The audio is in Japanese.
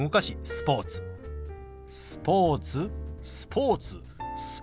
「スポーツ」「スポーツ」「スポーツ」。